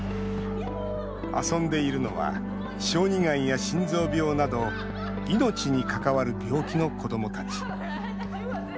遊んでいるのは小児がんや心臓病など命に関わる病気の子どもたち。